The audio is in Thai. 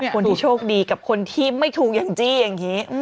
คนที่โชคดีกับคนที่ไม่ถูกอย่างจี้อย่างนี้